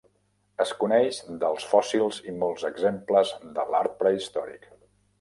Es coneix dels fòssils i molts exemples de l'art prehistòric.